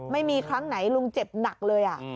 ไม่มีครั้งไหนลุงเจ็บหนักเลย